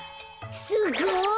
すごい。